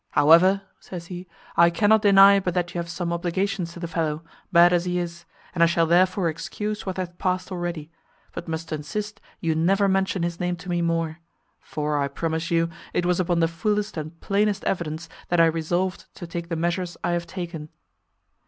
"However," says he, "I cannot deny but that you have some obligations to the fellow, bad as he is, and I shall therefore excuse what hath past already, but must insist you never mention his name to me more; for, I promise you, it was upon the fullest and plainest evidence that I resolved to take the measures I have taken."